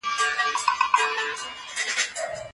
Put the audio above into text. کندهار پراخې دښتې لري.